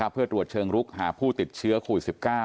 เพื่อตรวจเชิงลุกหาผู้ติดเชื้อโควิด๑๙